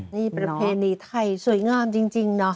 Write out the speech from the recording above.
นี่ประเพณีไทยสวยงามจริงเนาะ